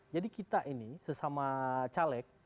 jadi kita ini sesama caleg